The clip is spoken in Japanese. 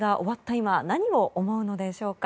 今何を思うのでしょうか。